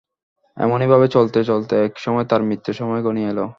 এমনিভাবে চলতে চলতে এক সময় তাঁর মৃত্যুর সময় ঘনিয়ে এল।